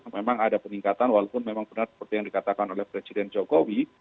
memang ada peningkatan walaupun memang benar seperti yang dikatakan oleh presiden jokowi